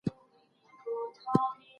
حق ورکړه.